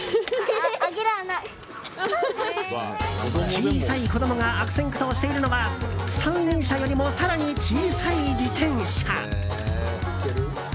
小さい子供が悪戦苦闘しているのは三輪車よりも更に小さい自転車。